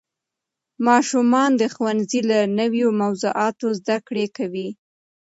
ماشومان د ښوونځي له نوې موضوعاتو زده کړه کوي